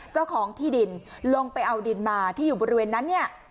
เจ้าของที่ดินลงไปเอาดินมาที่อยู่บริเวณนั้นเนี่ย